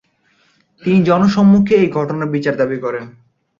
তিনি জনসম্মুখে এই ঘটনার বিচার দাবি করেন।